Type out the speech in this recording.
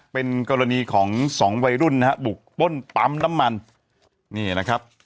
เป็นกรณีของสองวัยรุ่นนะฮะบุกป้นปั๊มน้ำมันนี่นะครับ